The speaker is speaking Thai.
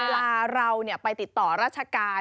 เวลาเราไปติดต่อราชการ